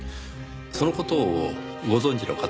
その事をご存じの方は？